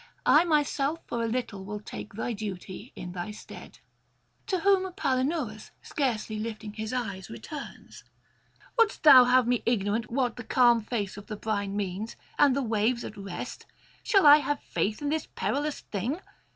I myself for a little will take thy duty in thy stead.' To whom Palinurus, scarcely lifting his eyes, returns: 'Wouldst thou have me ignorant what the calm face of the brine means, and the waves at rest? Shall I have faith in this perilous thing?